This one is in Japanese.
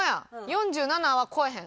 ４７は超えへん。